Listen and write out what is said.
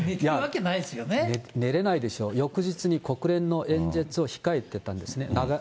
寝れないでしょ、翌日に国連の演説を控えてたんですね。